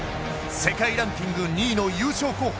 世界ランキング２位の優勝候補